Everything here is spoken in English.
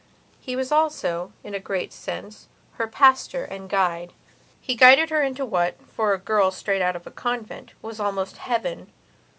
He was also, in a great sense, her pastor and guideand he guided her into what, for a girl straight out of a convent, was almost heaven.